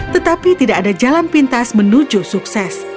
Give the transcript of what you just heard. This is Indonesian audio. tetapi tidak ada jalan pintas menuju sukses